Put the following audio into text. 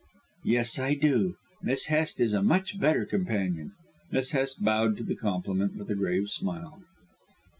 "Yes, I do. Miss Hest is a much better companion." Miss Hest bowed to the compliment with a grave smile.